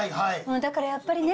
だからやっぱりね。